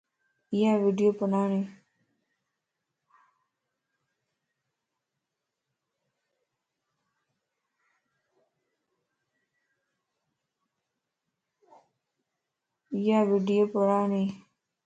ايا ويڊيو پڙاڻيَ